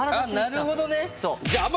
あっなるほどね。